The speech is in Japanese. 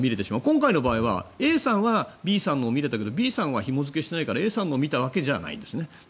今回の場合はＡさんはＢさんのを見れたけれどＢさんはひも付けしてないからＡさんのを見てるわけじゃないんですよね。